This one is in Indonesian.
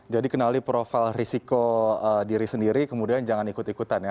jadi kenali profil risiko diri sendiri kemudian jangan ikut ikutan ya